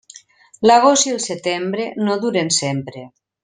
L'agost i el setembre no duren sempre.